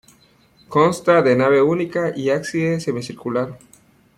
Consta de nave única y ábside semicircular.